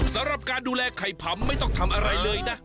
สำหรับการดูแลไข่ผำไม่ต้องทำอะไรเลยนะ